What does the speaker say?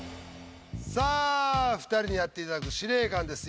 さあ２人にやっていただく「司令官」です。